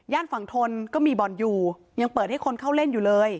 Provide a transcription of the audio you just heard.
ฝั่งทนก็มีบ่อนอยู่ยังเปิดให้คนเข้าเล่นอยู่เลย